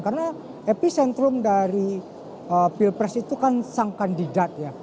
karena epicentrum dari pilpres itu kan sang kandidat ya